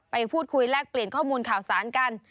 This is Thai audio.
ไปพูดคุยแลกเปลี่ยนข้อมูลข่าวสารกัน